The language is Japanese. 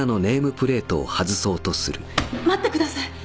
待ってください！